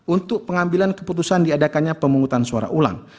untuk pengambilan keputusan diadakannya pemungutan suara ulang